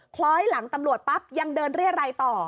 คล้อยหลังตำรวจปั๊บยังเดินเรียรัยต่อ